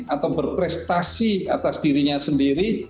atau berprestasi atas dirinya sendiri